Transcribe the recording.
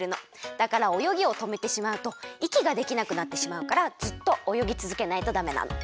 だからおよぎをとめてしまうといきができなくなってしまうからずっとおよぎつづけないとダメなの。